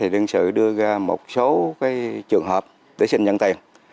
đơn sử đưa ra một số trường hợp để xin nhận tiền